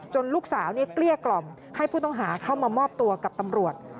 ลูกสาวเกลี้ยกล่อมให้ผู้ต้องหาเข้ามามอบตัวกับตำรวจ